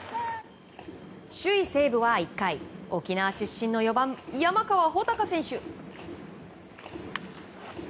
首位、西武は１回沖縄出身の４番、山川穂高選手。